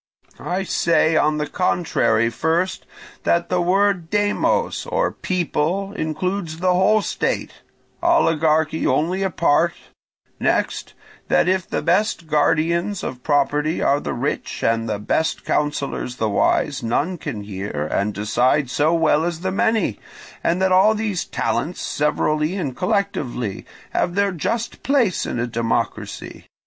I say, on the contrary, first, that the word demos, or people, includes the whole state, oligarchy only a part; next, that if the best guardians of property are the rich, and the best counsellors the wise, none can hear and decide so well as the many; and that all these talents, severally and collectively, have their just place in a democracy.